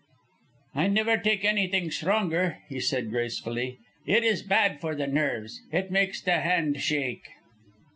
"I never take anything stronger," he said gracefully. "It is bad for the nerves; it makes the hand shake."